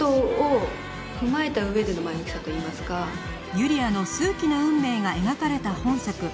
ゆりあの数奇な運命が描かれた本作